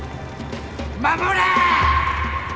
守れ！